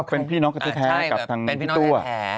เป็นพี่น้องกันแท้กับทางพี่ตัว